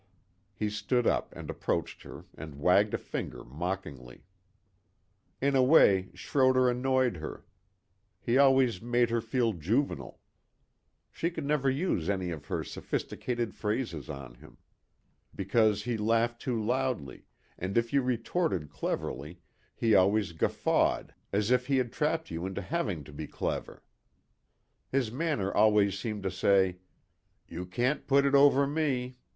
He stood up and approached her and wagged a finger mockingly. In a way Schroder annoyed her. He always made her feel juvenile. She could never use any of her sophisticated phrases on him. Because he laughed too loudly and if you retorted cleverly he always guffawed as if he had trapped you into having to be clever. His manner always seemed to say, "You can't put it over me.